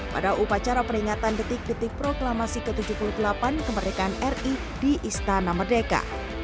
pada upacara peringatan detik detik proklamasi ke tujuh puluh delapan kemerdekaan ri di istana merdeka